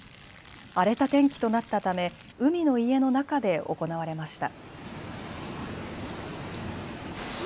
荒れた天気となったため海の家の中で行われました。